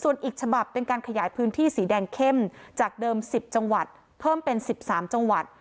ส่วนอีกฉบับเป็นการขยายพื้นที่สีแดงเข้มจากเดิม๑๐จังหวัดเพิ่มเป็น๑๓จังหวัด